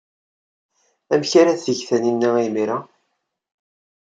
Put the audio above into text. Amek ara teg Taninna imir-a?